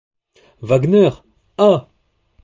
Wagner, ah!